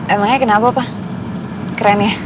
emangnya kenapa pak keren ya